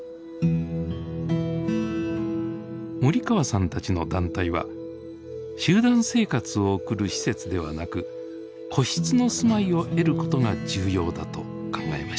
森川さんたちの団体は集団生活を送る施設ではなく個室の住まいを得ることが重要だと考えました。